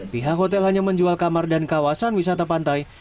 pihak hotel hanya menjual kamar dan kawasan wisata pantai